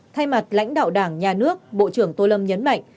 thay mặt lãnh đạo đảng nhà nước bộ trưởng tô lâm nhấn mạnh